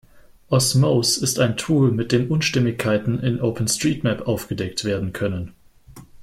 Osmose ist ein Tool, mit dem Unstimmigkeiten in OpenStreetMap aufgedeckt werden können.